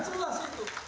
sudah seles itu